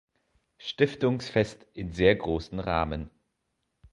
Stiftungsfest in sehr großen Rahmen.